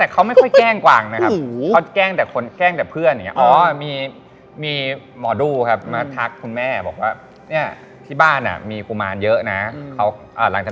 เกิดอุบัติเหตุเกิดอุบัติเหตุหนักมาประมาณ๒๓ครั้ง